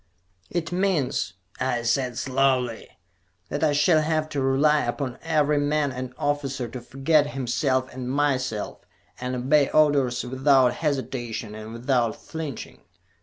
"It means," I said slowly, "that I shall have to rely upon every man and officer to forget himself and myself, and obey orders without hesitation and without flinching.